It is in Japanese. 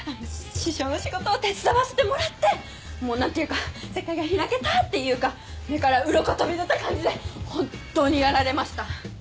師匠の仕事を手伝わせてもらってもう何ていうか世界が開けたっていうか目からうろこ飛び出た感じで本当にやられました。